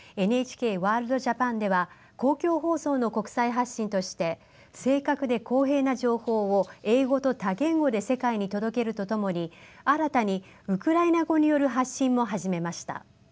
「ＮＨＫワールドＪＡＰＡＮ」では公共放送の国際発信として正確で公平な情報を英語と多言語で世界に届けるとともに新たにウクライナ語による発信も始めました。